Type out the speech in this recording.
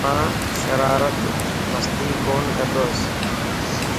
يوچو توآن شرارت / مستي ڪون ڪندوس